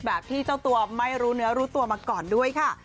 แบบที่เจ้าตัวไม่รู้เนื้อรู้ตัวมาก่อนด้วยค่ะ